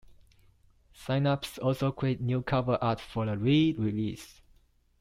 Synapse also created new cover art for the re-release.